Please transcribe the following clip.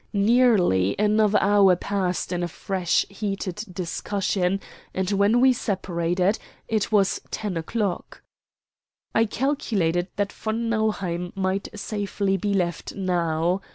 Nearly another hour passed in a fresh heated discussion, and when we separated it was ten o'clock. I calculated that von Nauheim might safely be left now.